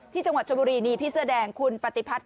จังหวัดชนบุรีนี่พี่เสื้อแดงคุณปฏิพัฒน์